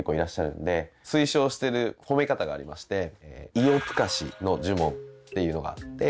「イオプカシ」の呪文っていうのがあって。